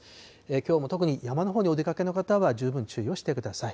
きょうも特に山のほうにお出かけの方は十分注意をしてください。